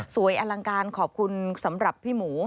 อลังการขอบคุณสำหรับพี่หมู